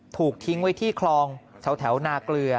ถูกทิ้งไว้ที่คลองแถวนาเกลือ